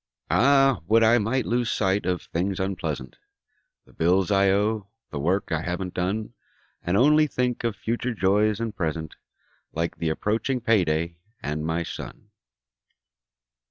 Ah, would I might lose sight of things unpleasant: The bills I owe; the work I haven't done. And only think of future joys and present, Like the approaching payday, and my son.